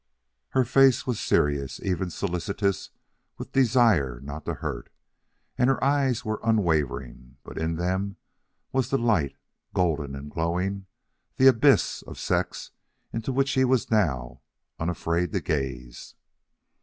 Her face was serious, even solicitous with desire not to hurt, and her eyes were unwavering, but in them was the light, golden and glowing the abyss of sex into which he was now unafraid to gaze.